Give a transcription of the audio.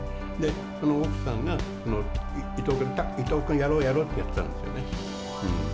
その奥さんが、伊藤君、やろうやろうって、やってたんですよね。